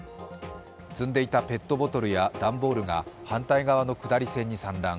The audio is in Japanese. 積んでいたペットボトルや段ボールが反対側の下り線に散乱。